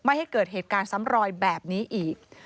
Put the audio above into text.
ไม่ให้เกิดเหตุการณ์สำรวจแบบนี้อีก